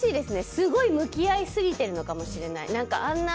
すごい向き合いすぎてるのかもしれない。